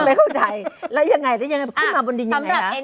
ไม่เข้าใจแล้วยังไงขึ้นมาบนดิงยังไงล่ะ